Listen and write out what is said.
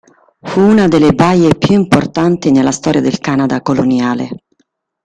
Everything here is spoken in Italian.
Fu una delle baie più importanti nella storia del Canada coloniale.